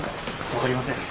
分かりません。